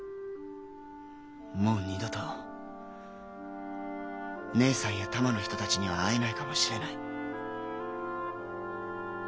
もう二度と姉さんや多摩の人たちには会えないかもしれない。